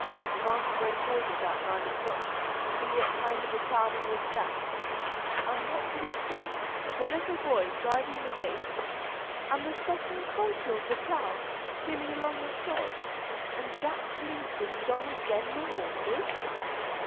The master went over about nine o'clock to see what kind of a ploughman was Jack, and what did he see but the little boy driving the bastes, and the sock and coulter of the plough skimming along the sod, and Jack pulling ding dong again' the horses.